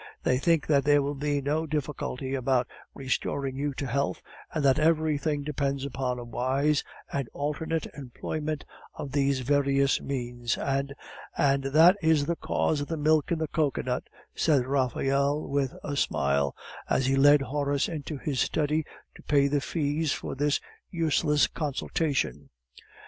They think that there will be no difficulty about restoring you to health, and that everything depends upon a wise and alternate employment of these various means. And " "And that is the cause of the milk in the cocoanut," said Raphael, with a smile, as he led Horace into his study to pay the fees for this useless consultation.